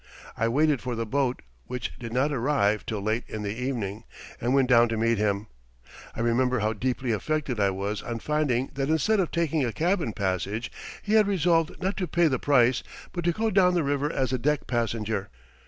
I waited for the boat, which did not arrive till late in the evening, and went down to meet him. I remember how deeply affected I was on finding that instead of taking a cabin passage, he had resolved not to pay the price, but to go down the river as a deck passenger.